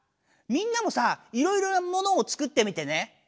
みんなもさいろいろなものを作ってみてね。